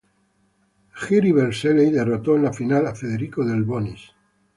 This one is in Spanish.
Jiří Veselý derrotó en la final a Federico Delbonis.